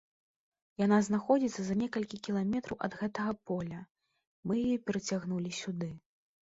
Яна знаходзіцца за некалькі кіламетраў ад гэтага поля, мы яе перацягнулі сюды.